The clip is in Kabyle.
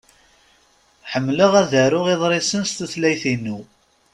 Ḥemmleɣ ad aruɣ iḍrisen s tutlayt-inu.